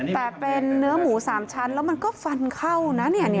แต่เป็นเนื้อหมู๓ชั้นแล้วมันก็ฟันเข้านะ